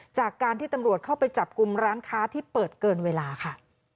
จากการที่ตำรวจเข้าไปจับกลุ่มร้านค้าที่เปิดเกินเวลาค่ะ